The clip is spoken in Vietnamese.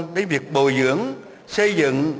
đấy việc bồi dưỡng xây dựng